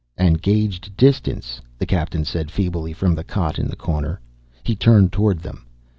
"And gauged distance," the Captain said feebly from the cot in the corner. He turned toward them.